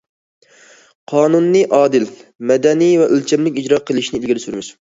قانۇننى ئادىل، مەدەنىي ۋە ئۆلچەملىك ئىجرا قىلىشنى ئىلگىرى سۈرىمىز.